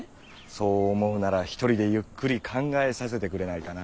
そう思うならひとりでゆっくり考えさせてくれないかな？